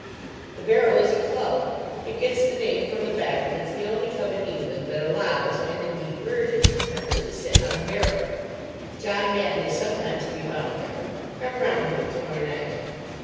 "The Barrel is a club. It gets the name from the fact that it's the only club in England that allows, and indeed urges, its members to sit on a barrel. John Hatton is sometimes to be found there. Come round to it tomorrow night."